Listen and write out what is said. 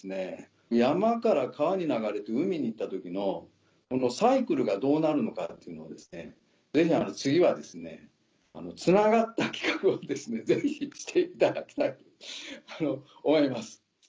山から川に流れて海に行った時のサイクルがどうなるのかっていうのをぜひ次はつながった企画をしていただきたいと思います。